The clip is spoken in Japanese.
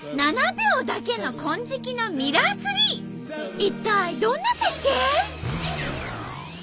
一体どんな絶景？